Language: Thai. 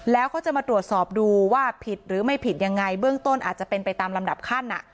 แล้วเขาจะมาตรวจสอบดูว่าผิดหรือไม่ผิดยังไงเบื้องต้นอาจจะเป็นไปตามลำดับขั้น